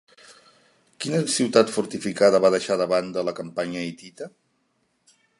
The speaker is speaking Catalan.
Quina ciutat fortificada va deixar de banda la campanya hitita?